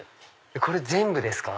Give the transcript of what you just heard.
これ全部ですか？